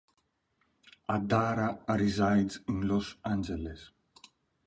Adara resides in Los Angeles.